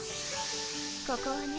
ここはね